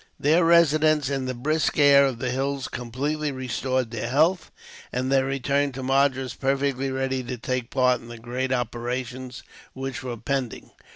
Their residence in the brisk air of the hills completely restored their health, and they returned to Madras perfectly ready to take part in the great operations which were impending.